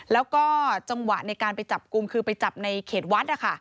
แล้วก็จังหวะในการไปจับกลุ่มคือไปจับในเขตวัดนะคะ